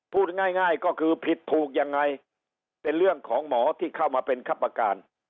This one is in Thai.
พูดง่ายง่ายก็คือผิดถูกยังไงเป็นเรื่องของหมอที่เข้ามาเป็นคับประการ